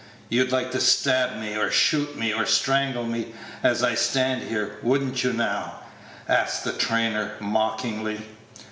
"You'd like to stab me, or shoot me, or strangle me, as I stand here, would n't you, now?" asked the trainer, mockingly.